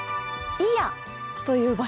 祖谷という場所。